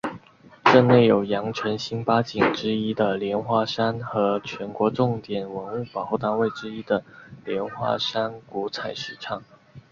镇内有羊城新八景之一的莲花山和全国重点文物保护单位之一的莲花山古采石场。